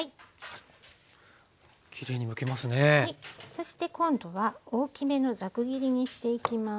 そして今度は大きめのザク切りにしていきます。